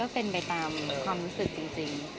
เป็นไปตามความรู้สึกจริง